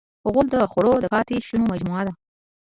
غول د خوړو د پاتې شونو مجموعه ده.